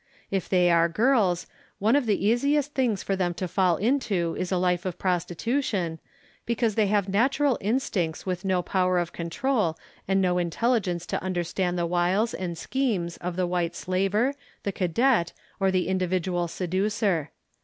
If they are girls, one of the easiest things for them to fall into is a life of prostitu tion, because they have natural instincts with no power of control and no intelligence to understand the wiles and schemes of the white slaver, the cadet, or the in dividual seducer.